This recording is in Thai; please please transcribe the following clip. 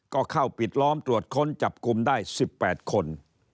ก็เข้าปิดล้อมตรวจค้นจับกลุ่มได้๑๘คน